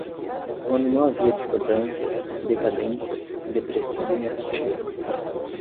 quando não havia discordâncias, decadências, depressão e apatia